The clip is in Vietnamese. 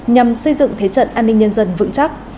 nhằm xây dựng thế trận an ninh nhân dân vững chắc